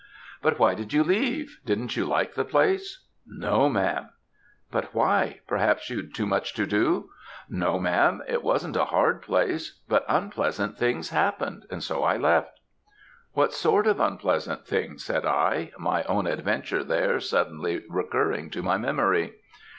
"'But why did you leave? Didn't you like the place?' "'No, Ma'am.' "'But why? Perhaps you'd too much to do?' "'No, Ma'am, it wasn't a hard place; but unpleasant things happened, and so I left.' "'What sort of unpleasant things?' said I, my own adventure there suddenly recurring to my memory.